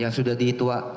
yang sudah dituang